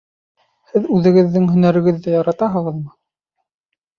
Һеҙ үҙегеҙҙең һөнәрегеҙҙе яратаһығыҙмы?